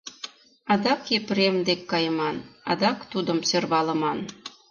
Адак Епрем дек кайыман, адак тудым сӧрвалыман.